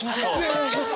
お願いします。